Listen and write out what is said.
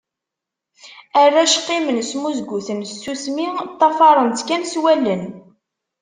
Arrac, qqimen smuzguten s tsusmi, ṭṭafaren-tt kan s wallen.